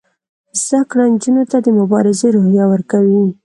زده کړه نجونو ته د مبارزې روحیه ورکوي.